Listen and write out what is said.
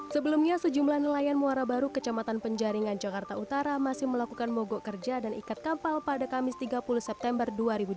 sebelumnya sejumlah nelayan muara baru kecamatan penjaringan jakarta utara masih melakukan mogok kerja dan ikat kapal pada kamis tiga puluh september dua ribu dua puluh